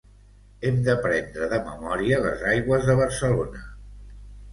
hem d'aprendre de memòria les aigües de Barcelona